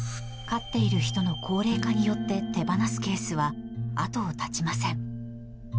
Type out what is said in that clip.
飼っている人の高齢化によって手放すケースは後を絶ちません。